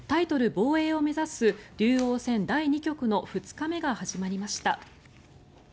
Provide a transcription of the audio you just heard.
防衛を目指す竜王戦第２局の２日目が始まりました。